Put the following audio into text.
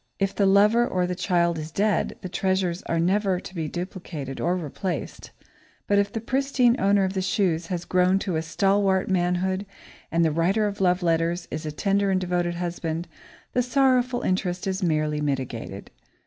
If the lover or the child is dead, the treasures are never to be duplicated or replaced, but if the pristine owner of the shoes has grown to stalwart manhood and the writer of the love letters is a tender and devoted husband, the sorrowful interest is merely mitigated.